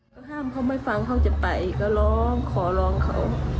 ก็ห้ามเขาไม่ฟังเขาจะไปก็ร้องขอร้องเขา